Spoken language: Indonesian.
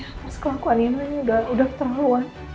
atas kelakuan nino ini udah terlalu